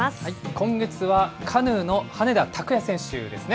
今月はカヌーの羽根田卓也選手ですね。